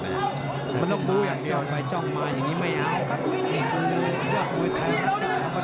มันต้องบูอย่างเดียวจ้องไปจ้องมาอย่างงี้ไม่เอาครับ